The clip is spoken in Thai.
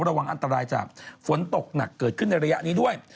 ระวังอันตรายจากฝนตกหนักเกิดขึ้นในระยะนี้ด้วย